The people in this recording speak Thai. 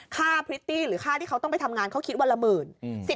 พริตตี้หรือค่าที่เขาต้องไปทำงานเขาคิดวันละหมื่น